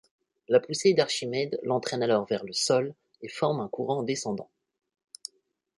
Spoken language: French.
La poussée d'Archimède l'entraîne alors vers le sol et forme un courant descendant.